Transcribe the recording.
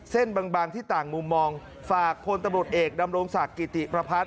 เส้นบางที่ต่างมุมมองฝากพลตำรวจเอกดำรงศักดิ์กิติประพัทธ